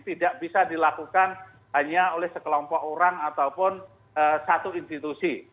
tidak bisa dilakukan hanya oleh sekelompok orang ataupun satu institusi